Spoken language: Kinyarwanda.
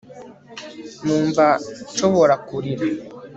numva nshobora kurira